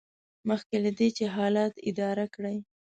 مخکې له دې چې حالات اداره کړئ.